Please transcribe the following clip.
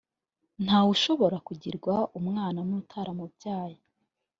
ntawe ushobora kugirwa umwana n utaramubyaye